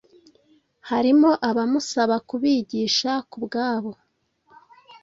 harimo abamusaba kubigisha ku bwabo